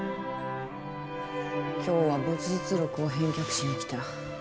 今日は没日録を返却しに来た。